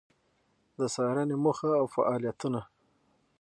د څارنې موخه او فعالیتونه: